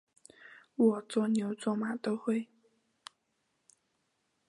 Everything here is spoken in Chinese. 我做牛做马都会